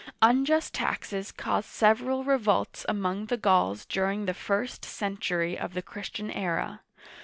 Unjust taxes caused several revolts among the Gauls during the first century of the Christian era.